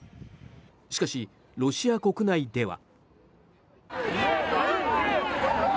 しかし、ロシア国内では。